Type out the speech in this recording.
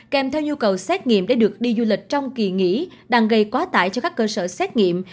kèm theo nhu cầu xét nghiệm để được đi du lịch trong kỳ nghỉ đang gây quá tải cho các cơ sở xét nghiệm